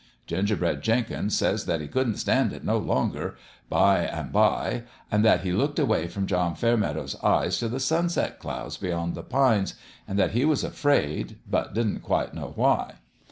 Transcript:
Gingerbread Jenkins says that he couldn't stand it no longer, by an' by, an' that he looked away from John Fairmeadow's eyes t' the sunset clouds beyond the pines, an* that he was afraid, but didn't quite know why.